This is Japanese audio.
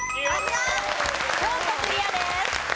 京都クリアです。